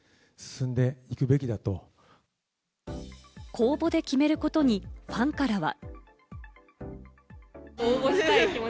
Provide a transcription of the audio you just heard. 公募で決めることにファンからは。